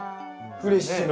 フレッシュな。